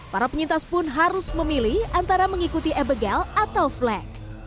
para penyintas pun harus memilih antara mengikuti abegal atau flag